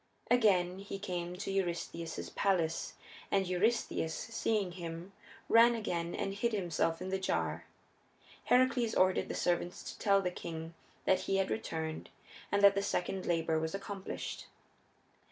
Again he came to Eurystheus's palace, and Eurystheus, seeing him, ran again and hid himself in the jar. Heracles ordered the servants to tell the king that he had returned and that the second labor was accomplished.